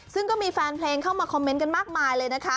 ซึ่งก็มีแฟนเพลงเข้ามาคอมเมนต์กันมากมายเลยนะคะ